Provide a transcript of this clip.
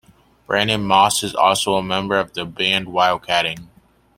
Brandon Moss is also a member of the band Wildcatting.